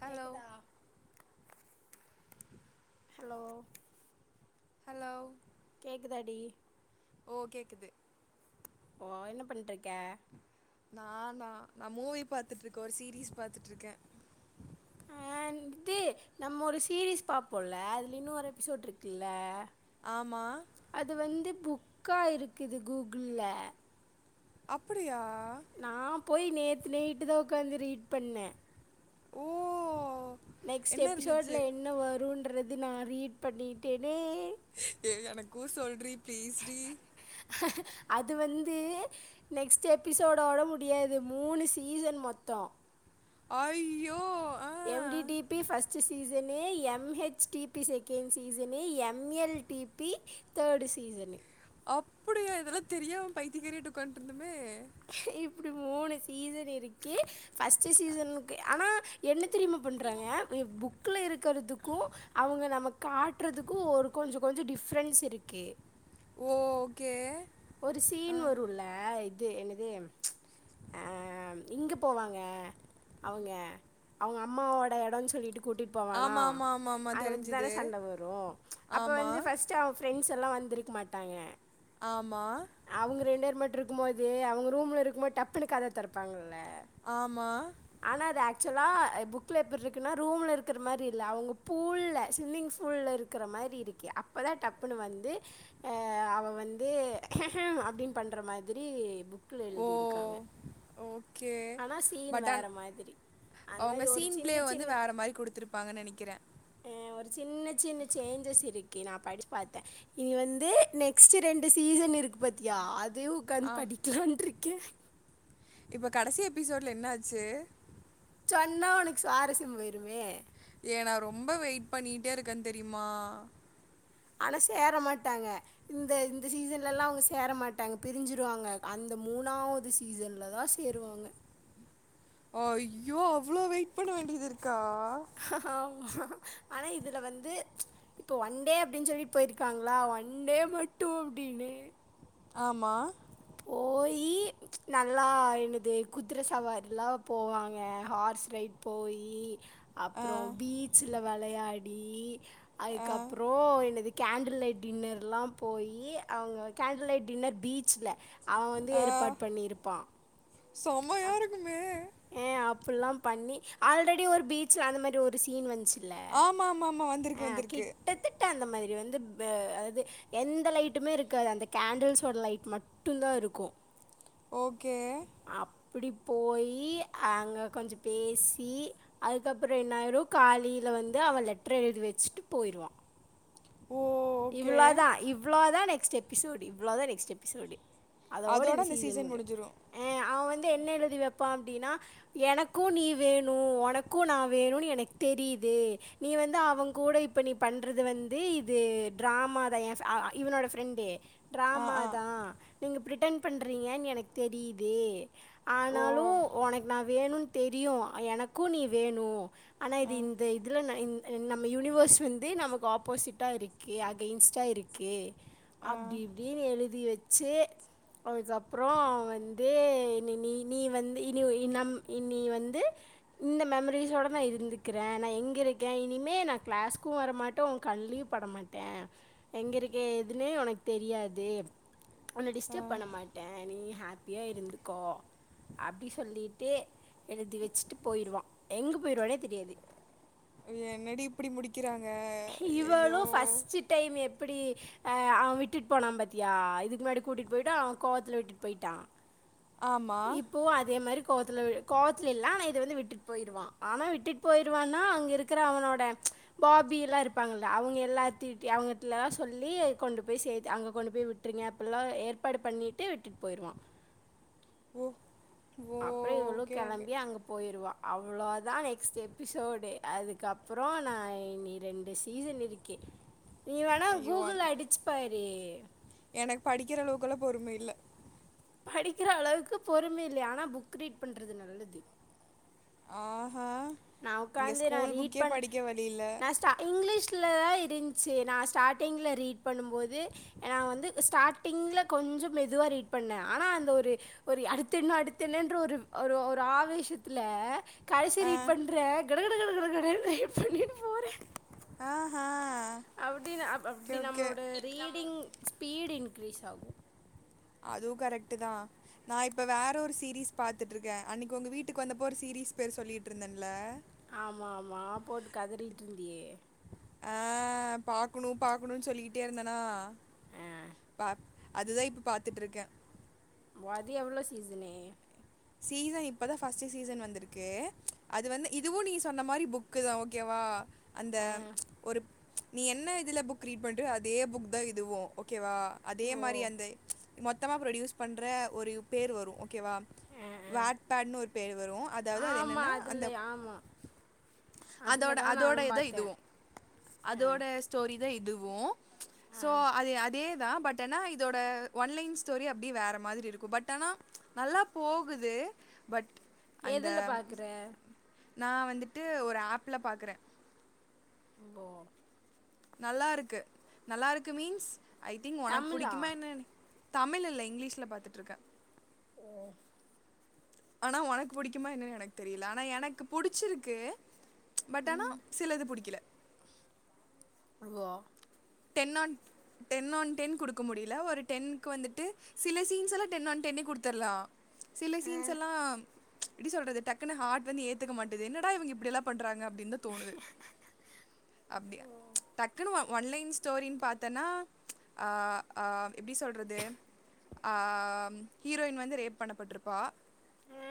Hello கேக்குதா hello hello கேக்குதா டி ஓ கேக்குது ஓ என்ன பண்ட்டிருக்க நானா நா மூவி பாத்துட்டு இருக்கே ஒரு சீரீஸ் பாத்துட்டு இருக்கே வந்துட்டு நம்ம ஒரு சீரீஸ் பாப்போம்ல அதில இன்னும் ஒரு எபிசோட் இருக்குல்ல ஆமா அது வந்து புக்கா இருக்குது கூகுள்ல அப்புடியா நா போய் நே த்து நைட்டு தா உட்காந்து ரீட் பண்ணே ஓ நெக்ஸ்ட் என்ன இருந்துச்சு எபிசோட்ல என்ன வருன்ற து நா ரீட் பண்ணிட்டே ஏ எனக்கும் சொல்ரி பிளீஸ் டீ அது வந்து நெக்ஸ்ட் எபிசோடோட முடியாது மூணு சீசன் மொத்தம் அய்யோ எம்டிடிபி first season MH DP second season ML DP third season அப்படியா இதெல்லாம் தெரியாம பைத்திகாரியாட்டு ஒக்காந்துண்டிருந்தமே இப்படி மூணு சீசன் இருக்கு ஃபஸ்ட் சீசனுக்கு ஆனா என்ன தெரியுமா பண்றாங்க புக் புக்ல இருக்கிறதுக்கும் அவங்க நம்ம காட்டுறதுக்கும் ஒரு கொஞ்சம் கொஞ்சம் டிஃப்ரென்ஸ் இருக்கு ஓகே ஒரு ஆ சீன் வருல்ல த என்னது ப்ச் இங்க போவாங்க அவங்க அவங்கம்மாவோட எடம்னு சொல்லிட் கூட்டிட்டு போவானா ஆமா ஆமா ஆமா ஆமா அங்க வச்சு தெரிஞ்சுது தான சண்ட வரும் அப்ப ஆமா வந்து ஃபர்ஸ்ட் அவ் ஃப்ரெண்ட்ஸெல்லா வந்திருக்க மாட்டாங்க ஆமா அவங்க ரெண்டுவேர் மட்டு இரு க்கும் போது அவங்க ரூம்ல இருக்கும் போது டப்புனு கதவு தெரப்பாங்க ஆமா ஆனா அது ஏக் ஆக்சுவலா புக்ல எப்பிற்ருகுன்னா ரூம்ல இருக்கிற மாரி இல்ல அவங்க பூல்ல ஸ்விம்மிங் ஃபூல்ல இருக்கிற மாரி இருக்கு அப்பதா டப்புனு வந்து அவ வந் து ஹஹம் அப்டீன்னு பண்ற மாதிரி புக்ல ஓ எழுதிருக்காங்க ஓகே ஆனா சீன் பட் வேற ஆன் மாதிரி அந்த அவங்க மாதிரி ஒரு சீன் பிளே சின்ன வந்து சின்ன வேற மாதிரி கொடுத்துருப்பாங்கன்னு நினைக்கிறேன் ஆ ஒரு சின்ன சின்ன சேஞ்சஸ் இருக்கி நா படிச்சு பாத்தே இனி வந்து நெக்ஸ்ட் ரெண் டு சீசன் இருக்கு பாத்தியா அ தயு உக்காந் படிக்கலான்ருக் கே இப்ப கடசி எபிசோட்ல என்ன ஆச்சு சொன்னா உனக்கு சுவாரஸ்யம் போயிருமே ஏ நா ரொம்ப வெயிட் பண்ணிட்டே இருக்கே தெரியுமா ஆனா சேர மாட்டாங்க இந்த இந்த சீசன்லல்லா அவங்க சேர மாட்டாங்க பிரிஞ்சிருவாங்க அந்த மூணாவது சீசன்லதா சேருவாங்க அய்யோ அவ்ளோ வெயிட் பண்ண வேண்டியதிருக்கா ஆ ஆனா இதுல வந்து இப்போ ஒன் டே அப்டீன் சொல்லி போயிருக்காங்களா ஒன் டே மட்டு அப்டீனு ஆமா போயி நல்லா என்னது குதிர சவாரிலாம் போவாங்க ஹார்ஸ் ரைட் போயி ஆ, அப்றோ பீச்ல வெளையா டீ ஆ, அதுக்கப்றோ என்னது கேண்டில் லைட் டின்னர்லா போயி அவுங்க கேண்டில் லைட் டின்னர் பீச்ல அவ வந்து ஏற்பாட் பண்ணிர்ப்பா சொமயாருக்குமே ஏ அப்புல்லா பண்ணி ஆல்ரெடி ஒரு பீச்ல அந்த மாரி ஒரு சீன் வன்ச்சு ல ஆமா ஆமா ஆமா ஆ வந்திருக்கு வந்திருக்கு கிட்டத்தட்ட அந்த மாரி இது வந்து பே அதாது எந்த லைட்டுமே இருக்காது அந்த கேண்டில்ஸோட லைட் மட்டுந்தா இருக்கு ஓகே இப்டி போய் யி அங்க கொஞ்சொ பேசி அதுக்கப்பறொ என்னாயிரு காலீல வந்து அவ லெட்டர் எழுதி வெச்சிட்டு போயிருவா ஓ ஓகே இவ்ளோதா இவ்ளோதா நெக் க்ஸ்ட் எபிசோடு இவ்ளோதா நெக்ஸ்ட் எபிசோடு அதோட இந்த சீசன் முடியு அ அவ வ ந்து என்ன எழுதி வெப்பா அப்டின்னா எனக்கு நீ வேணு ஒனக்கு நா வேணுனு எனக் தெரியிது நீ வந்து அவங் கூட இப்ப நீ பண்றது வந்து இது ட்ராமாதா எ ஃப அ இவனோட ஃப்ரெண்டு ஆ ஆ ட்ராமாதா நீங்க ரிட்டன் பண்றீங்கன் எனக் தெரியிது ஓ ஆனாலு ஒனக்கு நா வேணுன் தெரியு எனக்கு நீ வேணு ஆனா இது ஆ இந்த இதுல நைன் அ நம்ம யூனிவர்ஸ் வந்து நமக்கு ஆப்போசிட்டா இருக் கே அகைன்ஸ்டா இருக்கு ஆ அப்டி இப்டின்னு எழுதி வச் ச்சு அதுக்கப்றோ வந்து நீ நீ நீ வந்து இனி நம் நீ வந்து இந்த மெமரிஸோட நா இருந்துக்குற நா எங்க இருக்க இனிமே நா க்ளாஸ்க்கு வரமாட்ட ஓங் கண்லயு பட மாட் டே எங்க இருக்கே ஏதுன்னே ஒனக்கு தெரியாது உன்ன ஆ. டிஸ்டர்ப் பண்ண மாட்ட நீ ஹேப் பியா இருந்துக்கோ அப்டி சொல்லிட்டு எழுதி வச்சிட்டு போயிருவா எங்க போயிருவானே தெரியாது என்னடி இப்டி முடிக்கிறாங்க ஐயையோ இவளும் ஃபஸ்ட்டு டைம் எப்டி அ அவ விட்டுட் போனாம் பாத்தியா இதுக்கு முன்னாடி கூட்டிட்டு போய்ட்டு அவ கோவத்துல விட்டுட்டு போயிட்டா ஆமா. இப்போவு அதே மாரி கோவத்துல கோவத்துல இல்ல ஆனா இத வந்து விட்டுட் போயிருவா ஆனா விட்டுட் போயிருவான்னா அங்க இருக்குற அவனோட பாபில்லா இருப்பாங்கல்ல அவங்க எல்லா தீட்டி அவங்கட்லா சொல்லி கொண்டு போய் சேத் அங்க கொண்டு போய் விட்ருங்க அப்பில்லா ஏற்பாடு பண்ணிட்டு விட்டுட் போயிருவா ஓ ஓ அப்டியே இவளு ஓகே, ஓகே. கெளம்பி அங்க போயிருவா அவ்ளோதா நெக்ஸ்ட்டு எபிசோடு அதுக்கப்பறோ நா இனி ரெண்டு சீசன் இருக்கி நீ வேணா கூகுள் அடிச்சி பாரு [unintelligible] எனக் படிக்கிற அளவுக்கல்லா பொறும இல்ல படிக்கிற அளவுக்கு பொறுமை இல்லையா ஆனா புக் ரீட் பண்றது நல்லது ஆஹா! நா இங்க உக்காந்து நா ஸ்கூல் ரீட் புக்கே பண் படிக்க வழி இல்ல. நா ஸ்டார்ட் இங்கிலீஸ் அ தா இருந்ச்சி நா ஸ்டார்டிங்ல ரீட் பண்ணும் போது ஏனா வந்து ஸ்டார்டிங்ல கொஞ்சோ மெதுவா ரீட் பண்ணே ஆனா அந்த ஒரு ஒரு அடுத்தென்ன அடுத்தென்னன்ற ஒரு ஒரு ஒரு ஆவேஷத்துல ஆ, கல்சரி பண்றே கடகடகடகடனு ரீட் பண்ணிட்டு போறேன் ஆஹா! அப்டி நா ஓகே, பப்டி ஓகே. நம்மளோட ரீடிங் ஸ்பீடு இன்கிரீஸ் ஆகும் அதுவும் கரெக்டு தா நா இப்போ வேற ஒரு சீரீஸ் பாத்துட்டுருக்கேன் அன்னைக்கு உங்க வீட்டுக்கு வந்தப்போ ஒரு சீரீஸ் பேர் சொல்லிட்டு இருந்தேன்ல ஆமா ஆமா போட்டு கதறிட்டு இருந்தியே ஆ பாக்கணும் பாக்கணுனு சொல்லிட்டே இருந்தேனா ஆ பா அதுதான் இப்ப பாத்துட்டு இருக்கேன் வாது எவ்வளோ சீசனே சீச இப்பதா ஃபஸ்ட் சீசன் வந்துருக்கு அது வந்து இதுவும் நீங்க சொன்ன மாரி புக்கு தான் ஓகேவா அந்த ஆ ஒரு நீ என்ன இதுல புக் ரீட் பண்றியோ அதே புக் தான் இதுவும் ஓ கேவா அதே ஓ மாரி அந்த மொத்தமா ப்ரொடியூஸ் பண்ற ஒரு பேர் வரும் ஓகேவா ஆ ஆ வேட்டனு ஒரு பேர் வரும் அதாவது அது ஆமா என்னன்னா அந்த அதுல ஆமா அதுல அதோட தான் அதோட நானும் இதா பார்த்தேன் இதுவும் ஆ அதோட ஸ்டோரி [unintelligible] இதுவோ ஆ சோ அது அதே தா பட் ஆனா இதோட ஒன்லைன் ஸ்டோரி அப்டி வேற மாரி இருக்கு பட் ஆனா நல்லா போ குது பட் அந்த எதுல பாக்குற நா வந்துட்டு ஒரு ஆப்ல பாக்றே போ நல்லாருக்கு நல்லாருக்கு மீன்ஸ் ஐ திங்க் உனக்கு தமிழா புடிக்குமா என்னன்னு தமிழ் இல்ல இங்கிலீஷில பாத்துட்டுருக்கே உ ஆனா உனக்கு புடிக்குமா என்னன்னு எனக்கு தெரியல ஆனா எனக்கு புடிச்சிருக்கு பட் ஆனா ம் சிலது புடிக்கல [unintelligible] ten on ten on ten குடுக்க முடியல ஒரு டென்னக்கு வந்துட்டு சில சீன்ஸ் எல்லா டென் ஆன் டென்னே குடுத்தடலா சில ஆ சீன்ஸ் எல்லாம் இப்டி சொல்றது டக்குன்ன ஹார்ட் வந்து ஏத்துக்க மாட்டது என்னடா இங்க இப்டி எல்லா பண்றாங்க அப்டின்னு தா தோணுது அப்டியா ஓ டக்குன்னு ஒன்லைன் ஸ்டோரின்னு பாத்தன்னா அ ஆ எப்டி சொல்றது ஆ ஹீரோயின் வந்து ரேப் பண்ணபட்ருப்பா ஆ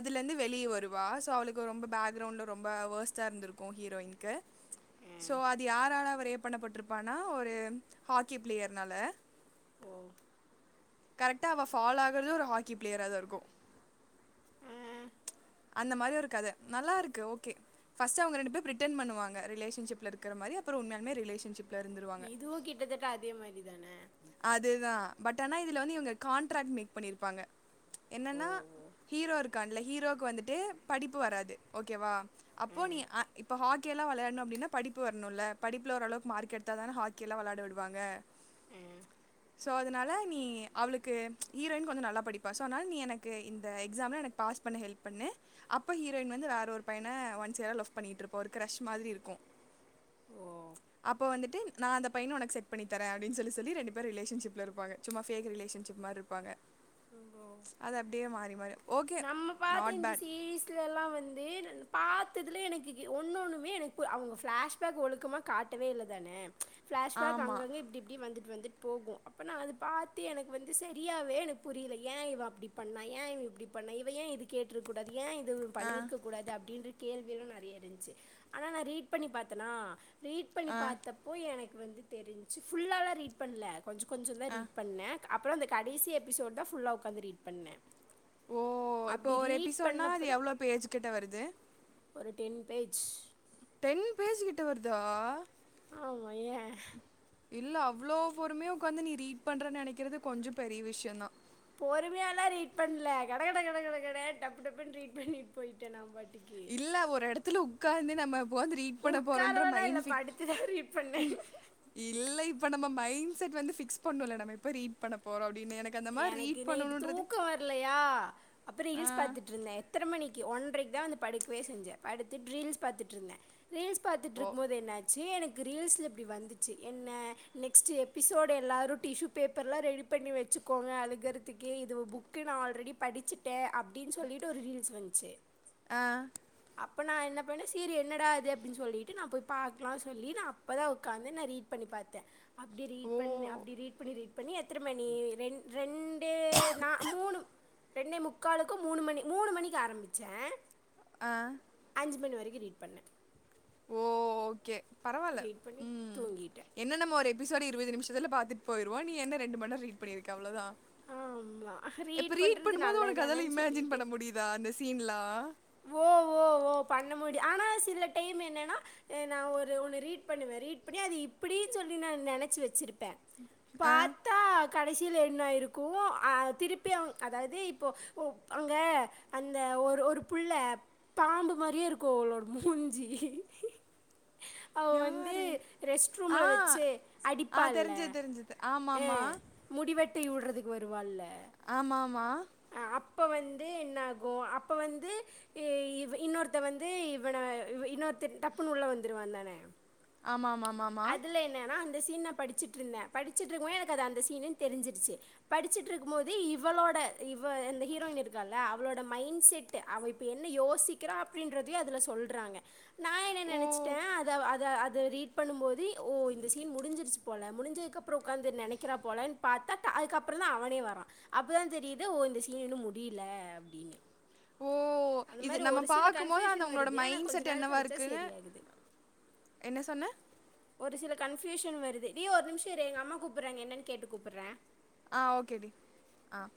அதுலருந்து வெளிய வருவா ஸோ அவளுக்கு ரொம்ப பேக்ரவுண்டில ரொம்ப வேர்ஸ்ட்டா இருந்திருக்கு ஹீரோயின்கு ஆ ஸோ அது யாரால் அவ ரேப் பண்ணபட்ருப்பானா ஒரு ஹாக்கி பிளேயர்னால ஓ கரெக்டா அவ ஃபால ஆகுறது ஒரு ஹாக்கி பிளேயரா தா இருக்கு ஆ அந்த மாதிரி ஒரு கத நல்லா இருக்கு ஓக்கே ஃபஸ்ட் அவங்க ரெண்டு பேரு [unintelligible] பண்ணுவாங்க ரிலேசன்ஷிப்ல இருக்கிற மாரி அப்றோ உண்மைய ரிலேசன்ஷிப் இதுவு கிட்டத்தட்ட அதே மாரி தான என இதுல வந்து இவங்க கான்ட்ராக்ட் மேக் பண்ணிருப்பாங்க ஓ என்னன்னா ஓ ஹீரோ இருக்கான் லை ஹீரோக்கு வந்துட் டே படிப்பு வராது ஓக்கேவா ஆ அப்போ நீ இப்ப ஹாக் இங்கெல்லா விளாயாடனும் அப்டின்னா படிப்பு வருனுல்ல படிப்புல ஒரு அளவுக்கு மார்க் எடுத்தா தானே ஹாக்கி எல்லா விளாயாட விடுவாங்க ம் ஸோ அதனால நீ அவளுக்கு ஹீரோயின் கொஞ்ச நல்லா படிப்பா ஸோ அதனால நீ எனக்கு இந்த எக்ஸாமை எனக்கு பாஸ் பண்ண ஹெல்ப் பண்ணு அப்போ ஹீரோயின் வந்து வேற ஒரு பையனை ஒன் சைடா லவ் பண்ணிட்டுருப்போ ஒரு க்ரஸ் மாரி இருக்கு ஓ அப்போ வந்துட்டு நா அந்த பையனை உனக்கு செட் பண்ணி தரேன் அப்டின்னு சொல்லி சொல்லி ரெண்டு பேரு ரிலேஷன்ஷிப்ல இருப்பாங்க சும்மா ஃபேக் ரிலேஷன்ஷிப் மாரி இருப்பாங்க ஓ அது அப்டியே மாறி மாறி ஓக்கே நாட் பேட் [unintelligible] எல்லாம் வந்து பாத்துட்டு எனக்கு ஒன்னு ஒண்ணுமே எனக்கு அவங்க பிளாஷ்பேக் ஒழுக்கமா காட்டவே இல்ல தானே பிளாஷ் பேக் அங்க ஆமாம் இங்க இப்டி இப்டி வந்துட் வந்துட்டு போகும் அப்ப நான் அது பாத்து எனக்கு வந்து சரியாவே எனக்கு புரியல ஏன் இவ அப்படி பண்ணா ஏன் இவ இப்படி பண்ணா இவ ஏன் இத கேட்டிருக்ககூடாது ஏன் இத இவன் ஆ பண்ணியிருக்க கூடாது அப்படின்ட் கேள்வியெலாம் நெறைய இருந்துச்சு ஆனா நான் ரீட் பண்ணி பாத்தனா ரீட் பண்ணி ஆ பாத்தப்போ எனக்கு வந்து தெரிஞ்சு ஃபுல்லாலா ரீட் பண்ணல கொஞ்ச கொஞ்சந்தா ஆ ரீட் பண்ணேன் அப்புறம் இந்த கடைசி எப்பிசோடு தான் ஃபுல்லா உக்காந்து ரீட் பண்ணேன் ஓ இப்ப ஒரு எப்பிசோடுனா அது பண்ணப்ப தா எவ்ளோ பேஜ் கிட்ட வருது ஒரு டென் பேஜ் டென் பேஜு கிட்ட வருதா ஆமா ஏன் இல்ல அவ்ளோ பொருமையா இல்லே அவ்ளோ பொறுமையா உக்காந்து நீ ரீட் பண்றேன்னு நெனைக்கறது கொஞ்சம் பெரிய விஷயந்தான் பொறுமையா எல்லா ரீட் பண்ணல கட கட கட கட கட டப்பு டப்புன்னு ரீட் பண்ணிட்டு போய்ட்டேன் நான் பாட்டுக்கு இல்ல ஒரு எடத்துல உக்காந்து நம்ம ஒக்காந்து ரீட் பண்ண போறோன்ற உக்காரவெல்லா இல்ல படுத்துதா ரீட் பண்ணே மகிழ்ச்சிஇல்ல இப்ப நம்ம மைன்ட் செட்வந்து ஃபிக்ஸ் பண்ணோல நம்ம எப்போ ரீட் பண்ண போறோம் அப்டி எனக்கு நைட்டு தூக்க வரலையா அப்பறம் ஆ ரீல்ஸ் பாத்துட்டு இருந்தேன் எத்தன மணிக்கு ஒன்றைக்கு இப்பதான் வந்து படுக்வே செஞ்சேன் படுத்துட்டு ரீல்ஸ் பாத்துட்டு இருந்தேன் ரீல்ஸ் பாத்துட்டு ஓ இருக்கு போது என்னாச்சு எனக்கு ரீல்ஸ்ல இப்பிடி வந்துச்சு என்ன நெக்ஸ்ட் எபிசோடு எல்லாரும் டிஸ்யூ பேப்பரல்லாம் ரெடி பண்ணி வச்சு க்கோங்க அழுகறதுக்கே இது புக்கு நான் ஆல்ரெடி படிச்சுட்டேன் அப்பிடின்னு சொல்லிட்டு ஒரு ரீல்ஸ் வந்துச்சு ஆ அப்ப நான் என்ன பண்னேன் சீரி என்னடா இது அப்பிடின்னு சொல்லிட்டு நான் போய் பாக்கலானு சொல்லி நான் அப்பதான் உக்காந்து நான் ரீட் பண்ணி பாத்தேன் அப்டியே ரீட் ஓ பண்ண அப்டி ரீட் பண்ணி ரீ்ட் பண்ணி எத்தன மணி ரெண்டு ரெண் ஏ நா மூணு ரெண்டே முக்காலுக்கும் மூணு மணி மூணு மணிக்கு ஆரம்முச்சேன் ஆ அஞ்சு மணி வரைக் ரீட் பண்ணே ஓ ஓக்கே பரவால்ல பண்ணி உம் தூங்கிட்டேன். என்னன்னம்மோ ஒரே [unintelligible] இருபது நிமிஷத்துல பாத்துட்டு போயிருவோம். நீ என்ன ரெண்டு மணி நேரம் ரீ்ட் பண்ணிருக்க அவ்ளோதான் ஆமா. இப்ப ரீட் பண்றது பண்ணும்போது நல்லது உனக்கு அதல்லா தானேன்னு இமேஜின் சொல்லிட்டு பண்ண முடியுதா அந்த சீன்லாம் ஓ ஓ ஓ பண்ண முடியும் ஆனா சில டைம் என்னன்னா நான் ஒரு ஒன்னு ரீட் பண்ணுவேன் ரீட் பண்ணி அது இப்படின்னு சொல்லி நான் நெனைச்சு வச்சிருப் பேன் ஆ. பாத்தா க கடைசியல என்ன ஆயிருக்கும் ஆ திருப்பி அதாவது இப்போ ஒ அங்க அந்த ஒரு ஒரு புள்ள பாம்பு மாரியே இருக்கும் அவளோட மூஞ்சி அவ வந்து யாரு? ரெஸ்ட் ஆ. ரூம்ல வச்சு ஆ அடிப்பால்ல தெரிஞ்சது, தெரிஞ்சது. ஆ ஆமாமா. முடிவெட் வட்டில் வுடுறதுக்கு வருவால ஆமா ஆமா அப்ப வந்து என்ன ஆகும் அப்ப வந்து இ இன்னொருத்த வந்து இவன இன்னொருத்த டப்புனு உள்ள வந்துறுவான்ந்தானே ஆமா ஆமா ஆமம்மா சீன்ன படிச்சிட்டுருந்தேன் படிச்சிட்டிருக்கும் போது எனக்கு அது அந்த சீன்னு தெரிஞ்சிருச்சு படிச்சிட்டிருக்கும் போது இவளோட இவ அந்த ஹீரோயின் இருக்கால்ல அவளோட மைண்ட் செட் அவ இப்ப என்ன யோசிக்கிறா அப்டின்றதையும் அதுல சொல்றாங்க நான் என்ன ஓ! நெனச்சிட்டேன் அத அவ அத து ரீட் பண்ணும் போது ஓ இந்த சீன் முடிஞ்சிருச்சு போல முடிஞ்சதுகப்புறம் உட்காந்து நெனைக்கிறா போலனு பாத்தா டா அதுக்கப்புறம் தான் அவனே வாரான் அப்பதான் தெரிது து ஓ இந்த சீன் இன்னும் முடில அப்டின்னு ஓ இது நம்ம பாக்கும்போது அந்த கன்ஃப்யூஷன் உங்களோட வருது. ஆனா மைண்ட் கொஞ்ச செட் நேரம் என்னவா கழிச்சா இருக்குன்னு சரியாகுது. என்ன சொன்ன ஒரு சில கன்ஃபியூஷன் வருது ஏ ஒரு நிமிஷம் இரு எங்க அம்மா கூப்ட்றாங்க என்னன்னு கேட்டு கூப்பட்றேன் ஆஹ் ஓகேடி ஆஹ்